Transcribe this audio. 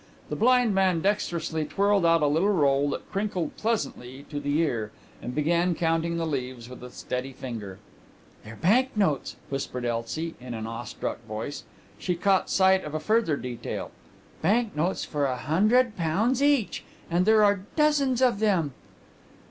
The blind man dexterously twirled out a little roll that crinkled pleasantly to the ear, and began counting the leaves with a steady finger. "They're bank notes!" whispered Elsie in an awestruck voice. She caught sight of a further detail. "Bank notes for a hundred pounds each. And there are dozens of them!"